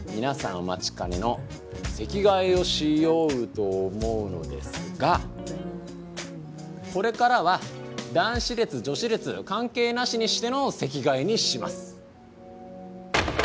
お待ちかねの席替えをしようと思うのですがこれからは男子列女子列関係なしにしての席替えにします。